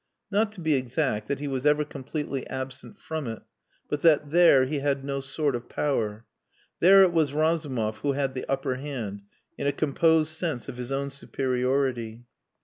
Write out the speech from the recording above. Not, to be exact, that he was ever completely absent from it, but that there he had no sort of power. There it was Razumov who had the upper hand, in a composed sense of his own superiority.